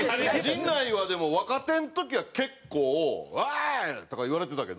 陣内はでも若手の時は結構「おい！」とか言われてたけど。